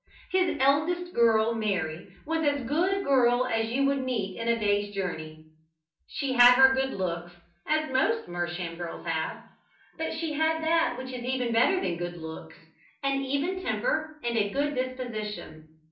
His eldest girl, Mary, was as good a girl as you would meet in a day's journey. She had her good looks (as most Mersham girls have), but she had that which is even better than good looks, an even temper and a good disposition.